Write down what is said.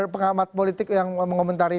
pengamat politik yang mengomentari